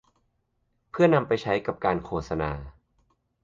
เพื่อนำไปใช้กับการโฆษณา